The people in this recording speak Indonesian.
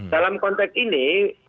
dalam konteks ini